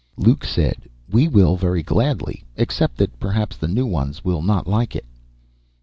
Luke said, "We will, very gladly ... except that perhaps the new ones will not like it."